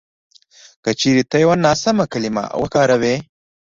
که چېرې ته یوه ناسمه کلیمه وکاروې